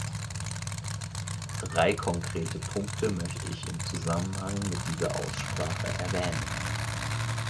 Drei konkrete Punkte möchte ich im Zusammenhang mit dieser Aussprache erwähnen.